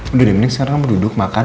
udah deh mending sekarang kamu duduk makan